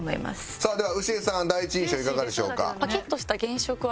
さあでは牛江さん第一印象いかがでしょうか？